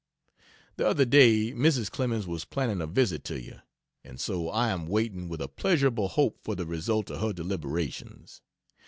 The other day Mrs. Clemens was planning a visit to you, and so I am waiting with a pleasurable hope for the result of her deliberations.